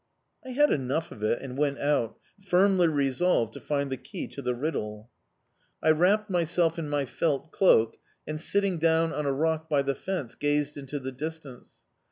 I had enough of it, and went out, firmly resolved to find the key to the riddle. I wrapped myself up in my felt cloak and, sitting down on a rock by the fence, gazed into the distance.